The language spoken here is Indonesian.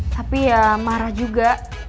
tapi ya marah juga